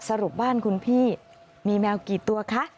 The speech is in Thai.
สรุปบ้านคุณพี่มีแมวกี่ตัวคะ